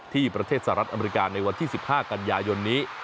ที่ประเทศสหรัฐอเมริกาในวันที่๑๕กันยายนนี้